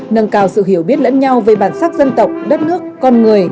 nâng cao sự hiểu biết lẫn nhau về bản sắc dân tộc đất nước con người